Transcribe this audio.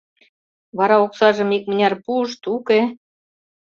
— Вара оксажым икмыняр пуышт, уке?